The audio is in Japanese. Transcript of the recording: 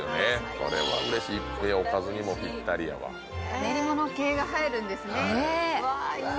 これは嬉しいおかずにもぴったりやわ練り物系が入るんですねわあいい！